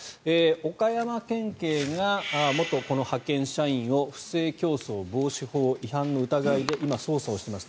岡山県警が元派遣社員を不正競争防止法違反の疑いで今、捜査をしています。